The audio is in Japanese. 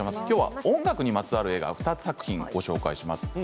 きょうは音楽にまつわる映画を２作品ご紹介します。